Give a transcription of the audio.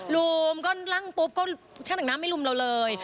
รุมก็ลั่งปุ๊บก็ช่างแต่งหน้าไม่รุมเราเลย